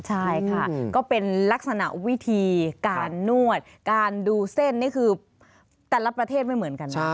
ใช่ค่ะก็เป็นลักษณะวิธีการนวดการดูเส้นนี่คือแต่ละประเทศไม่เหมือนกันนะ